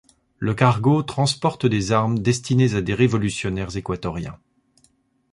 Le cargo transporte des armes destinées à des révolutionnaires équatoriens.